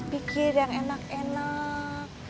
pikir yang enak enak